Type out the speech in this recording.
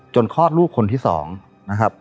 คลอดลูกคนที่๒นะครับ